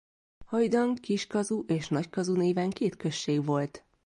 Hajdan Kis-Kasuh és Nagy-Kasuh néven két község volt.